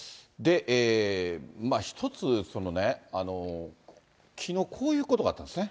一つ、そのね、きのうこういうことがあったんですね。